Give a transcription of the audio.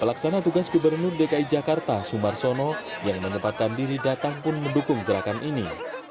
pelaksana tugas gubernur dki jakarta sumarsono yang menyempatkan diri datang pun mendukung gerakan ini